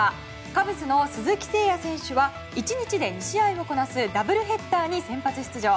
カブスの鈴木誠也選手は１日で２試合をこなすダブルヘッダーに先発出場。